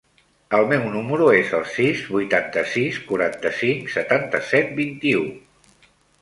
El meu número es el sis, vuitanta-sis, quaranta-cinc, setanta-set, vint-i-u.